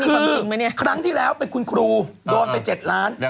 คือครั้งที่แล้วเป็นคุณครูโดนไป๗ล้าน